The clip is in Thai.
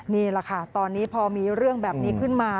นี่แหละค่ะตอนนี้พอมีเรื่องแบบนี้ขึ้นมา